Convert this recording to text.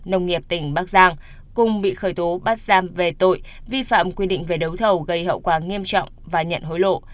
nông nghiệp tỉnh bắc giang cùng bị khởi tố bắt giam về tội vi phạm quy định về đấu thầu gây hậu quả nghiêm trọng và nhận hối lộ